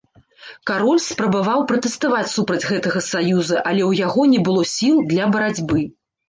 Кароль спрабаваў пратэставаць супраць гэтага саюза, але ў яго не было сіл для барацьбы.